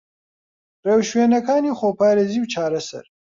رێوشوێنەکانی خۆپارێزی و چارەسەر